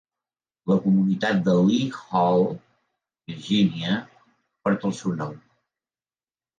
La comunitat de Lee Hall, Virgínia, porta el seu nom.